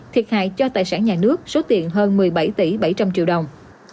thiệt hại cho tài sản nhà nước số tiền hơn một mươi bảy tỷ bảy trăm linh triệu đồng